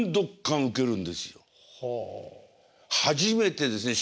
初めてですね。